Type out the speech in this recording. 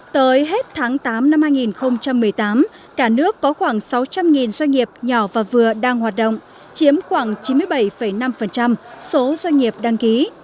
tới hết tháng tám năm hai nghìn một mươi tám cả nước có khoảng sáu trăm linh doanh nghiệp nhỏ và vừa đang hoạt động chiếm khoảng chín mươi bảy năm số doanh nghiệp đăng ký